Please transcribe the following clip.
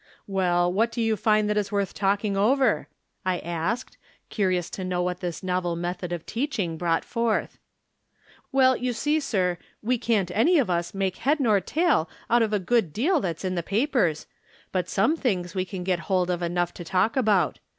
" Well, what do you find that is worth talking over ?" I asked, curious to know what tliis novel method of teaching brought forth. " Well, you see, sir, we can't any of us make head nor tail out of a good deal that's in the pa pers ; but some things we can get hold of enough to talk about.